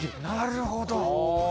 なるほど！